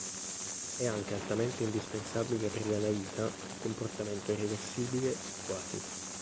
È anche altamente indispensabile per l'analita un comportamento reversibile o quasi.